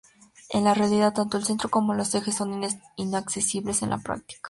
En la realidad tanto el centro como los ejes son inaccesibles en la práctica.